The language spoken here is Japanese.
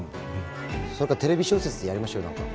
それかテレビ小説でやりましょう何か。